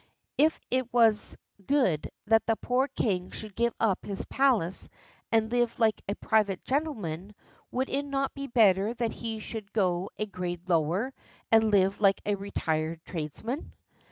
If it was good that the poor king should give up his palace and live like a private gentleman, would it not be better that he should go a grade lower, and live like a retired tradesman?